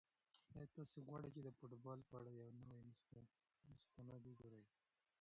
آیا تاسو غواړئ چې د فوټبال په اړه یو نوی مستند وګورئ؟